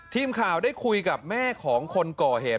ทีมข่าวได้คุยกับแม่ของคนก่อเหตุ